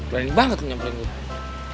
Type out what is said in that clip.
pelangi banget lu nyamperin gue